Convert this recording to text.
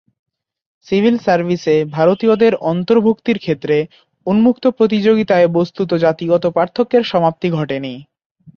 Civil সার্ভিসে ভারতীয়দের অন্তর্ভুক্তির ক্ষেত্রে উন্মুক্ত প্রতিযোগিতায় বস্ত্তত জাতিগত পার্থক্যের সমাপ্তি ঘটে নি।